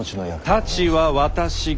太刀は私が持つ。